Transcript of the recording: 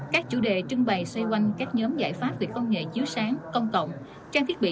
các chủ đề trưng bày xoay quanh các nhóm giải pháp về công nghệ chiếu sáng công cộng trang thiết bị